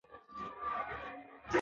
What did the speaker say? د کور ګټندويه تر دباندي ښه دی.